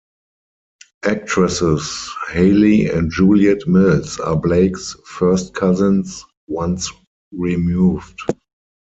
Actresses Hayley and Juliet Mills are Blake's first cousins once-removed.